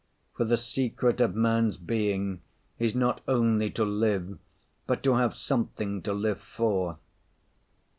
For the secret of man's being is not only to live but to have something to live for.